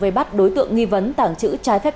về bắt đối tượng nghi vấn tàng trữ trái phép